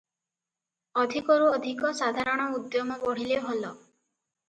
ଅଧିକରୁ ଅଧିକ ସାଧାରଣ ଉଦ୍ୟମ ବଢ଼ିଲେ ଭଲ ।